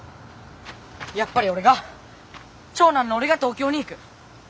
やっぱり俺が長男の俺が東京に行く！